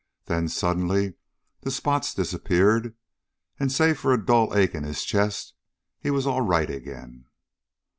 Then, suddenly, the spots disappeared, and save for a dull ache in his chest he was all right again.